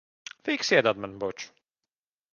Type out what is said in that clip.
Fiksi iedod man buču.